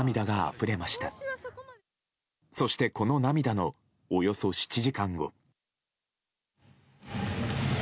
そして、この涙のおよそ７時間後。